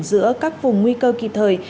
giữa các vùng nguy cơ kịp thời